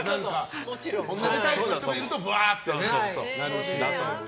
同じタイプの人がいるとぶわーっとなると。